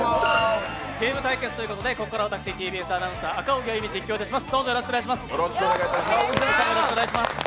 ゲーム対決ということでここからＴＢＳアナウンサー赤荻歩、実況いたします。